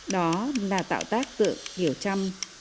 đó là tạo tác tượng hiểu trăm trên đá sa thạch